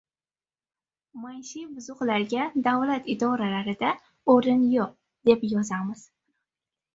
Maishiy buzuqlarga davlat idoralarida o‘rin yo‘q, deb yozamiz!